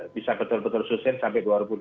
bisa betul betul susun sampai dua ribu dua puluh